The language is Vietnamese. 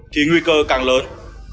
thì nguy cơ càng lớn